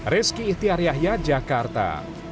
rizky itiariahya jakarta